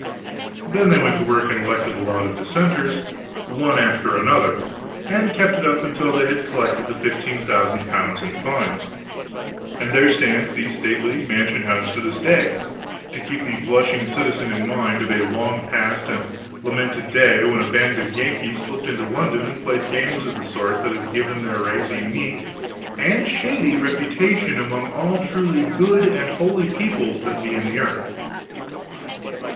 Then they went to work and elected a lot of Dissenters, one after another, and kept it up until they had collected L15,000 in fines; and there stands the stately Mansion House to this day, to keep the blushing citizen in mind of a long past and lamented day when a band of Yankees slipped into London and played games of the sort that has given their race a unique and shady reputation among all truly good and holy peoples that be in the earth.